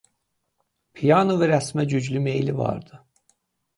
Piano və rəsmə güclü meyli vardı.